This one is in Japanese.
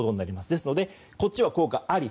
ですので、こっちは効果あり。